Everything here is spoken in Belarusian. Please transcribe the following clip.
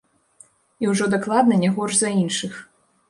І ўжо дакладна не горш за іншых.